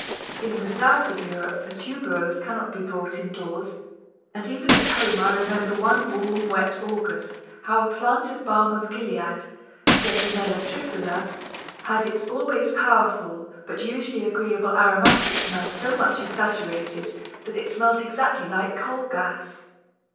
In the south of Europe a Tuberose cannot be brought indoors, and even at home I remember one warm wet August how a plant of Balm of Gilead (Cedronella triphylla) had its always powerful but usually agreeably aromatic smell so much exaggerated that it smelt exactly like coal gas!